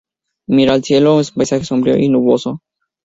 Mira al cielo, en un paisaje sombrío y nuboso.